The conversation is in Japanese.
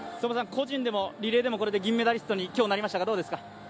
個人でもリレーでも銀メダリストに今日なりましたけどどうですか。